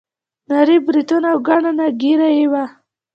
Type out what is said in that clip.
نري بریتونه او ګڼه نه ږیره یې وه.